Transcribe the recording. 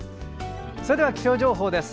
それでは気象情報です。